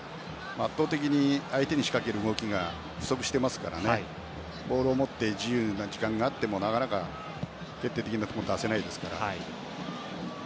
圧倒的に相手に仕掛ける動きが不足しているのでボールを持って自由な時間があってもなかなか決定的なところに出せないですから。